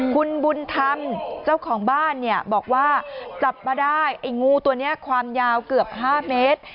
คุณบุญธรรมเจ้าของบ้านเนี่ยบอกว่าจับมาได้ไอ้งูตัวนี้ความยาวเกือบ๕เมตร